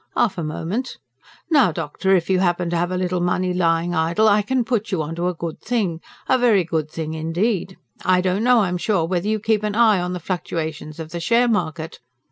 "Half a moment! Now, doctor, if you happen to have a little money lying idle, I can put you on to a good thing a very good thing indeed. I don't know, I'm sure, whether you keep an eye on the fluctuations of the share market.